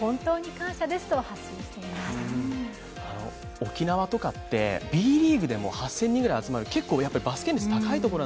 沖縄とかって、Ｂリーグでも８０００人くらい集まる結構バスケ